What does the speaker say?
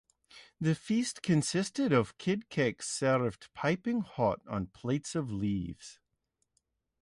The feast consisted of kid cakes served piping hot on plates of leaves.